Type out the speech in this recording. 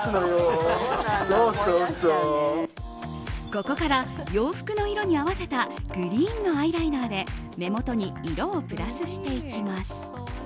ここから、洋服の色に合わせたグリーンのアイライナーで目元に色をプラスしていきます。